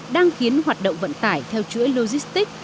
đang khiến hoạt động vận tải theo chuỗi logistic